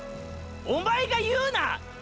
おまえが言うな！